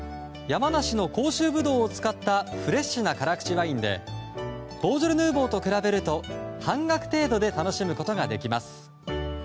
山梨の甲州ブドウを使ったフレッシュな辛口ワインでボージョレ・ヌーボーと比べると半額程度で楽しむことができます。